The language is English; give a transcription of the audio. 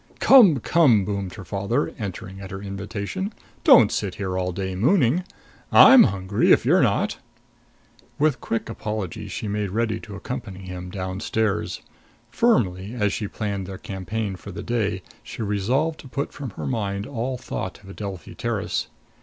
"Come, come!" boomed her father, entering at her invitation. "Don't sit here all day mooning. I'm hungry if you're not." With quick apologies she made ready to accompany him down stairs. Firmly, as she planned their campaign for the day, she resolved to put from her mind all thought of Adelphi Terrace.